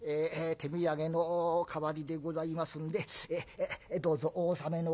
手土産の代わりでございますんでどうぞお納めのほど。